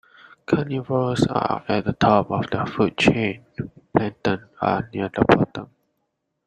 Carnivores are at the top of the food chain; plankton are near the bottom